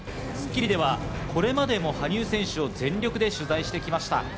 『スッキリ』ではこれまでも羽生選手を全力で取材してきました。